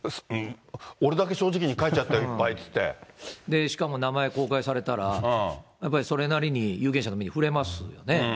俺だけ正直に書いちゃったよ、しかも名前を公開されたら、やっぱりそれなりに有権者の目に触れますよね。